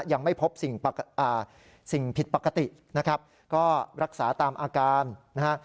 ยังไม่พบสิ่งผิดปกตินะครับก็รักษาตามอาการนะฮะ